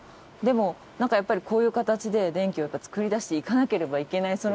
でもなんかやっぱりこういう形で電気を作り出していかなければいけない。